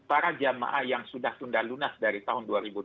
para jamaah yang sudah tunda lunas dari tahun dua ribu dua puluh